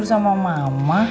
aku tidur sama mama